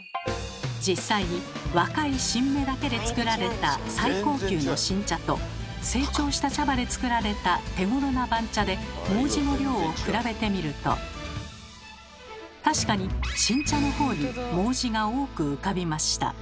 実際に若い新芽だけで作られた最高級の新茶と成長した茶葉で作られた手ごろな番茶で毛茸の量を比べてみると確かに新茶の方に毛茸が多く浮かびました。